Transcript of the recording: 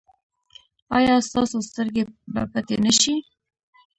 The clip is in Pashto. ایا ستاسو سترګې به پټې نه شي؟